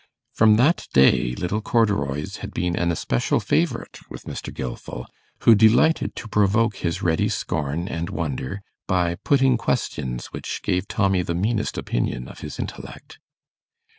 From that day 'little Corduroys' had been an especial favourite with Mr. Gilfil, who delighted to provoke his ready scorn and wonder by putting questions which gave Tommy the meanest opinion of his intellect.